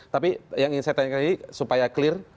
tapi yang ingin saya tanyakan lagi supaya clear